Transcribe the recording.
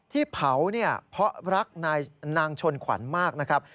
ที่เผาเนี่ยเพราะรักนางชนขวัญมากนะครับ